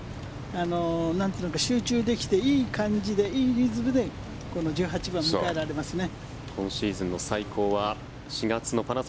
集中できていい感じでいいリズムでこの１８番を迎えられますね。